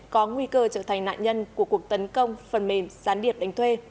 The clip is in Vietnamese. có nguy cơ trở thành nạn nhân của cuộc tấn công phần mềm gián điệp đánh thuê